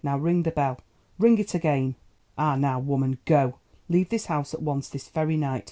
"Now ring the bell—ring it again. "And now, woman—go. Leave this house at once, this very night.